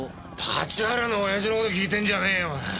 立原の親父の事聞いてんじゃねえよ。